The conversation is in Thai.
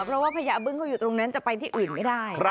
เพราะว่าพญาบึ้งเขาอยู่ตรงนั้นจะไปที่อื่นไม่ได้